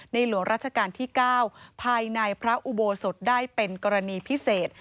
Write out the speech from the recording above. หลวงราชการที่๙ภายในพระอุโบสถได้เป็นกรณีพิเศษ